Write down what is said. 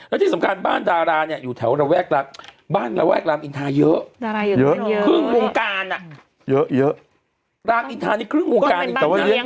แล้วที่สำคัญบ้านดาราเนี่ยอยู่แถวระแวกรามอินทาเยอะเครื่องวงการอ่ะเยอะ